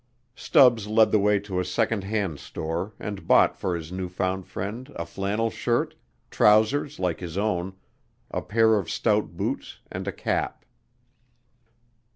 Stubbs led the way to a second hand store and bought for his new found friend a flannel shirt, trousers like his own, a pair of stout boots, and a cap.